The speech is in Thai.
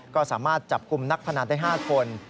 ก็สามารถจับกลุ่มนักพนันได้๕คน